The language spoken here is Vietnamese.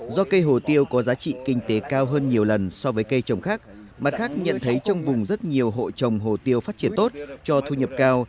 do cây hồ tiêu có giá trị kinh tế cao hơn nhiều lần so với cây trồng khác mặt khác nhận thấy trong vùng rất nhiều hộ trồng hồ tiêu phát triển tốt cho thu nhập cao